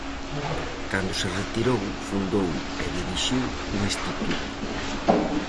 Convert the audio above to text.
Cando se retirou, fundou e dirixiu o instituto.